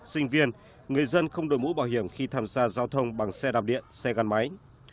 sinh viên người dân không đổi mũ bảo hiểm khi tham gia giao thông bằng xe đạp điện xe gắn máy